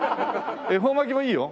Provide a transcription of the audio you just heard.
恵方巻きもいいよ。